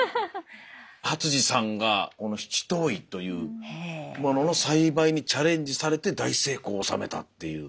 初次さんがこの七島藺というものの栽培にチャレンジされて大成功を収めたっていうすごい何かチャレンジ